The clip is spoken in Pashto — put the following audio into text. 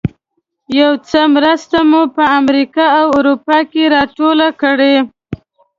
یو څه مرسته مو په امریکا او اروپا کې راټوله کړې.